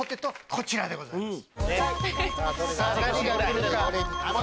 こちらでございます。